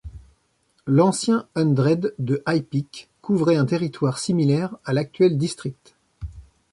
L'ancien hundred de High Peak couvrait un territoire similaire à l'actuel district.